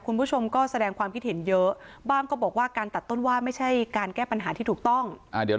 คุณผู้ชมก็แสดงความคิดเห็นเยอะบ้างก็บอกว่าการตัดต้นว่าไม่ใช่การแก้ปัญหาที่ถูกต้องอ่าเดี๋ยว